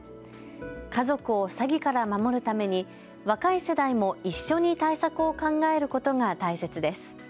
家族を詐欺から守るために若い世代も一緒に対策を考えることが大切です。